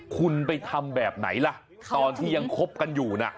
คุณไปทำแบบไหนล่ะตอนที่ยังคบกันอยู่นะ